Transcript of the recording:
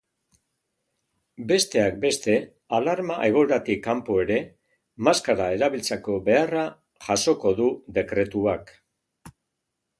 Besteak beste, alarma egoeratik kanpo ere maskara erabiltzeko beharra jasoko du dekretuak.